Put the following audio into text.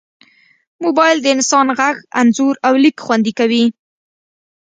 موبایل د انسان غږ، انځور، او لیک خوندي کوي.